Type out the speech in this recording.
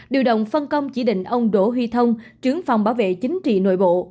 điều động phân công chỉ định ông đỗ huy thông trưởng phòng bảo vệ chính trị nội bộ